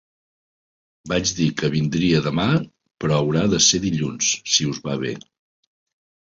Vaig dir que vindria demà però haurà de ser dilluns, si us va bé.